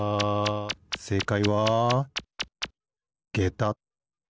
せいかいはげた。